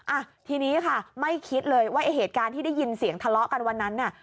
อ่ะทีนี้ค่ะไม่คิดเลยว่าไอ้เหตุการณ์ที่ได้ยินเสียงทะเลาะกันวันนั้นน่ะ